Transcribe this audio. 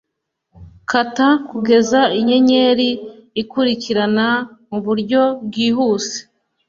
kata kugeza inyenyeri ikurikirana muburyo bwihuse